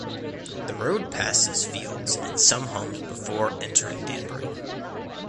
The road passes fields and some homes before entering Danbury.